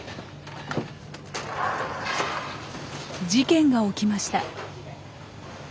事件が起きました。